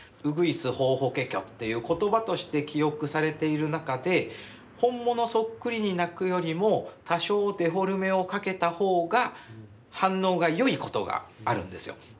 うぐいすホーホケキョという言葉として記憶されている中で本物そっくりに鳴くよりも多少デフォルメをかけた方が反応がよいことがあるんですよ。